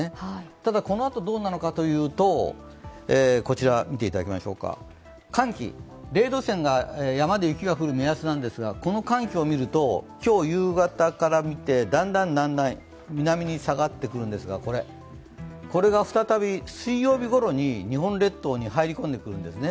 ただ、この後どうなのかというと、寒気、零度線が山で雪が降る目安なんですが、この寒気をみると今日夕方からみて、だんだん南に下がってくるんですが、これが再び水曜日ごろに日本列島に入り込んでくるんですね。